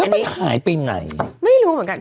แล้วมันขายไปไหน